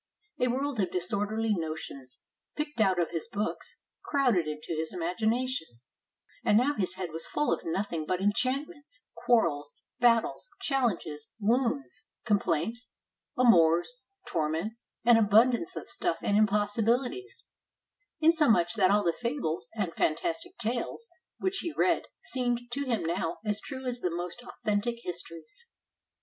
A world of dis orderly notions, picked out of his books, crowded into his imagination; and now his head was full of nothing but enchantments, quarrels, battles, challenges, wounds, 499 SPAIN complaints, amours, torments, and abundance of stuff and impossibilities; insomuch that all the fables and fantastic tales which he read seemed to him now as true as the most authentic histories.